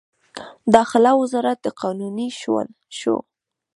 داخله وزارت د قانوني شو.